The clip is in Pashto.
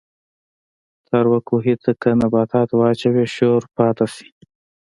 تاروۀ کوهي ته کۀ نبات واچوې شور پاتې شي